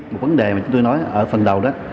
một vấn đề mà chúng tôi nói ở phần đầu đó